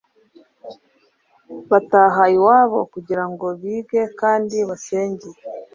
bataha iwabo kugira ngo bige kandi basenge.